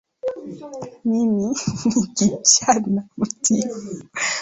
Mimi ni kijana mtiifu